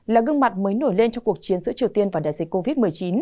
là gương mặt mới nổi lên cho cuộc chiến giữa triều tiên và đại dịch covid một mươi chín